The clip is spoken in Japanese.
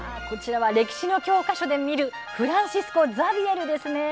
歴史の教科書で見るフランシスコ・ザビエルですね。